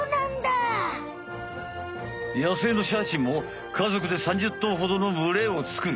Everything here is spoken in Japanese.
野生のシャチも家族で３０頭ほどのむれをつくる。